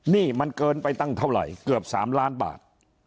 นี่มันเกินไปตั้งเท่าไหร่เกือบ๓ล้านบาท